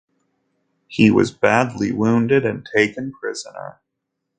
He was badly wounded and taken prisoner.